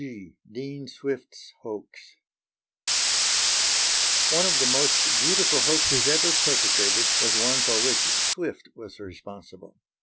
G. DEAN SWIFT'S HOAX One of the most beautiful hoaxes ever perpetrated was one for which Swift was responsible.